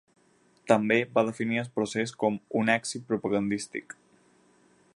També va definir el procés com ‘un èxit propagandístic’.